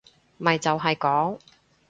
咪就係講